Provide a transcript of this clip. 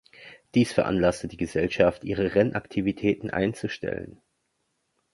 Dies veranlasste die Gesellschaft, ihre Rennaktivitäten einzustellen.